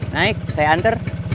naik saya antar